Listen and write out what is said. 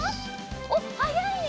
おっはやいね！